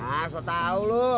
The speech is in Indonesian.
ah so tau lu